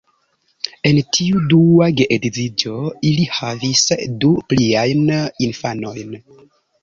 En tiu dua geedziĝo, ili havis du pliajn infanojn.